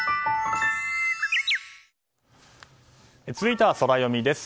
続いてはソラよみです。